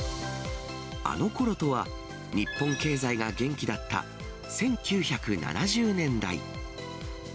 あのころとは、日本経済が元気だった１９７０年代。